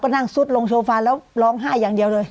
นั่งซุดลงโซฟาแล้วร้องไห้อย่างเดียวเลย